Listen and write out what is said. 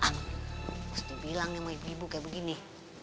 mesti bilang sama ibu ibu kayak begini